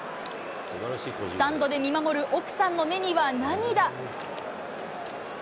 スタンドで見守る奥さんの目には涙。